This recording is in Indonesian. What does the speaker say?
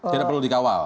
tidak perlu dikawal